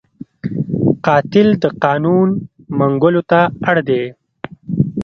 قاتل د قانون منګولو ته اړ دی